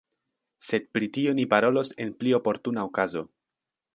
Sed pri tio ni parolos en pli oportuna okazo.